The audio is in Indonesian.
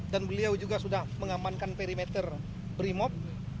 dan beliau juga sudah mengamankan perimeter brimop